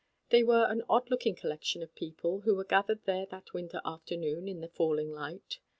They were an odd looking collection of people, who were gathered there that winter afternoon in the falling light.